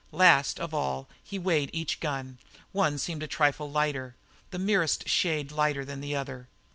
Last of all he weighed each gun; one seemed a trifle lighter the merest shade lighter than the other.